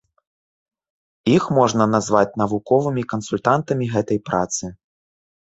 Іх можна назваць навуковымі кансультантамі гэтай працы.